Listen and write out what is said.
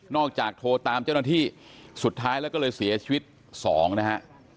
จากโทรตามเจ้าหน้าที่สุดท้ายแล้วก็เลยเสียชีวิตสองนะฮะ